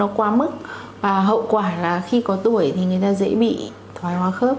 nó qua mức và hậu quả là khi có tuổi thì người ta dễ bị thoái hóa khớp